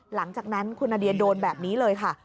หลังจากนั้นคุณนาเดียโดนแบบนี้เลยค่ะ